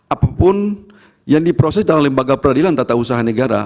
apapun yang diproses dalam lembaga peradilan tata usaha negara